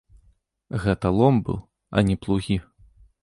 Гэта лом быў, а не плугі.